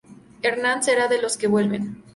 Hernán será de los que vuelven.